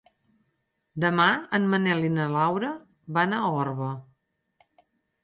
Demà en Manel i na Laura van a Orba.